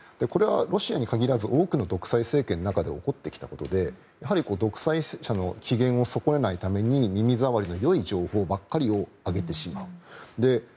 これは、ロシアに限らず多くの独裁政権の中で起こってきたことでやはり独裁者の機嫌を損ねないために耳ざわりの良い情報ばかりを上げてしまう。